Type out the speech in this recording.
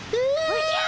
おじゃ！